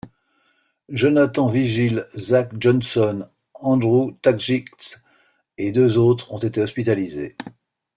Jonathan Vigil, Zach Johnson, Andrew Tkaczyk et deux autres ont été hospitalisés.